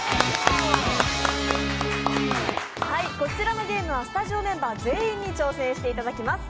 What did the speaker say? こちらのゲームはスタジオメンバー全員に挑戦していただきます。